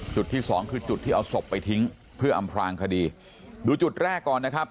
จุดที่สองคือจุดที่เอาศพไปทิ้งเพื่ออำพลางคดีดูจุดแรกก่อนนะครับ